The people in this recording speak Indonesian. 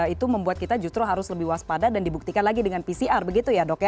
itu membuat kita justru harus lebih waspada dan dibuktikan lagi dengan pcr begitu ya dok ya